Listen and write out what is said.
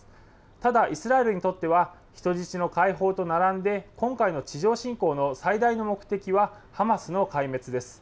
ただ、イスラエルにとっては、人質の解放と並んで、今回の地上侵攻の最大の目的は、ハマスの壊滅です。